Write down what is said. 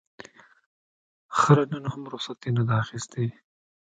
خره نن هم رخصتي نه ده اخیستې.